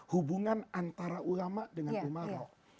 hubungan antara ulama dengan umaroh